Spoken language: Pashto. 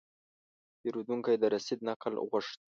پیرودونکی د رسید نقل غوښت.